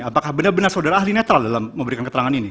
apakah benar benar saudara ahli netral dalam memberikan keterangan ini